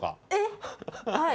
はい。